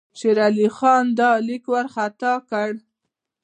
شېر علي خان دا لیک وارخطا کړ.